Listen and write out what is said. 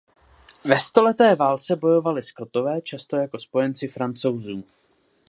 Ve stoleté válce bojovali Skotové často jako spojenci Francouzů.